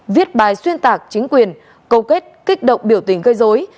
viết bài xuyên tạc chính quyền câu kết kích động biểu tình gây dối